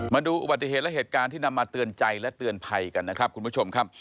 มาดูอุบัติเหตุและเหตุการณ์ที่นำมาเตือนใจและเตือนภัยกันนะครับคุณผู้ชมครับ